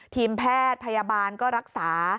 ทีมแพทย์พยาบาลก็รักษา